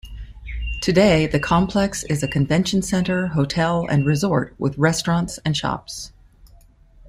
Today, the complex is a convention center, hotel and resort with restaurants and shops.